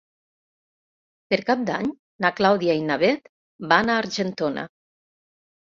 Per Cap d'Any na Clàudia i na Bet van a Argentona.